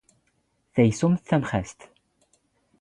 ⵜⴰⴽⵙⵓⵎⵜ ⵜⴰⵎⵅⴰⵙⵜ.